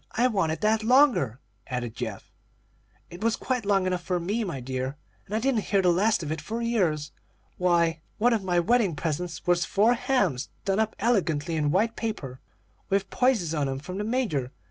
I wanted that longer," added Geoff. "It was quite long enough for me, my dear, and I didn't hear the last of it for years. Why, one of my wedding presents was four hams done up elegantly in white paper, with posies on 'em, from the Major.